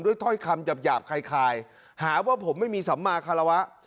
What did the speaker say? ถ้อยคำหยาบคล้ายหาว่าผมไม่มีสัมมาคารวะ